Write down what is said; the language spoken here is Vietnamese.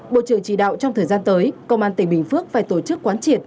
bộ trưởng chỉ đạo trong thời gian tới công an tỉnh bình phước phải tổ chức quán triệt